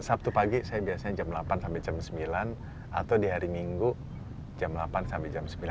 sabtu pagi saya biasanya jam delapan sampai jam sembilan atau di hari minggu jam delapan sampai jam sembilan